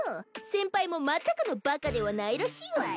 先輩もまったくのバカではないらしいわい。